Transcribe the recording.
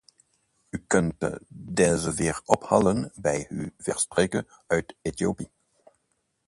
U kunt deze weer ophalen bij uw vertrek uit Ethiopië.